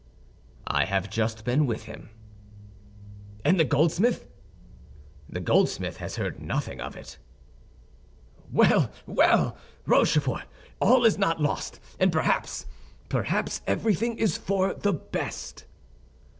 "I have just been with him." "And the goldsmith?" "The goldsmith has heard nothing of it." "Well, well! Rochefort, all is not lost; and perhaps—perhaps everything is for the best."